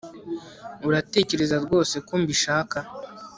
uratekereza rwose ko mbishaka